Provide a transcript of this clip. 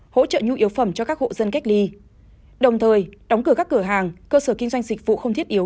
hỗ trợ nhu yếu phẩm cho các hộ dân cách ly đồng thời đóng cửa các cửa hàng cơ sở kinh doanh dịch vụ không thiết yếu